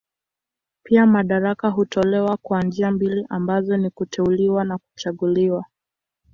Pia madaraka hutolewa kwa njia mbili ambazo ni kuteuliwa na kuchaguliwa.